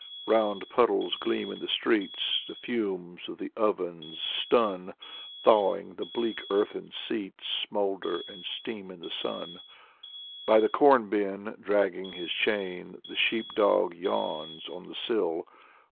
Round puddles gleam in the streets. The fumes of the ovens stun. Thawing, the bleak earthen seats Smolder and steam in the sun. By the corn bin, dragging his chain, The sheep dog yawns on the sill.